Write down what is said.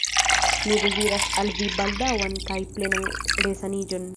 Mi deziras al vi baldaŭan kaj plenan resaniĝon.